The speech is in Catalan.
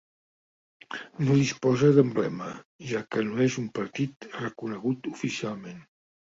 No disposa d'emblema, ja que no és un partit reconegut oficialment.